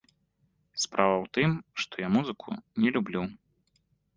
Справа ў тым, што я музыку не люблю.